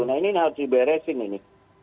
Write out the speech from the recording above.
nah ini harus diberesin ini